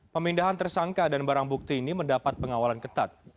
pemindahan tersangka dan barang bukti ini mendapat pengawalan ketat